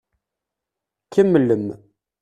Kemmlem.